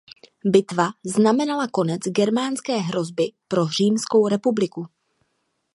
Bitva znamenala konec germánské hrozby pro římskou republiku.